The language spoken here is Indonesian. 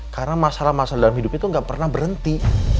karena masalah masalah dalam hidup itu gak pernah berhenti